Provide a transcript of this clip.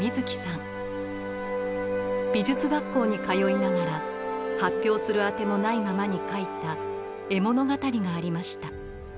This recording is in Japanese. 美術学校に通いながら発表する当てもないままに描いた絵物語がありました。